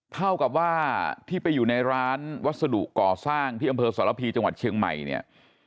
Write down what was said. เท่ากับว่าที่ไปอยู่ในร้านวัสดุก่อสร้างที่อำเภอสรพีจังหวัดเชียงใหม่เนี่ย